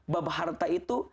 bab harta itu